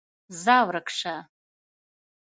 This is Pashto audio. ځه ورک شه!